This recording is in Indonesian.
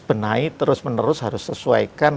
benahi terus menerus harus sesuaikan